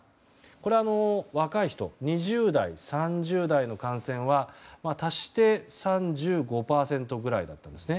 これは若い人２０代、３０代の感染は足して３５％ぐらいだったんですね。